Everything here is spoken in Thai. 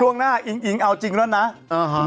ช่วงหน้าอิงอิงเอาจริงแล้วนะ